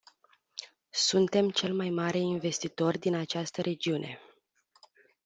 Suntem cel mai mare investitor din această regiune.